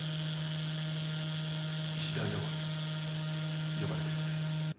石田洋子に呼ばれたからです。